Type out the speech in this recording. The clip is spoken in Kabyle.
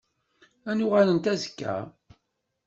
Ad n-uɣalent azekka?